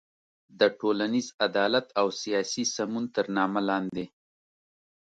د ټولنیز عدالت او سیاسي سمون تر نامه لاندې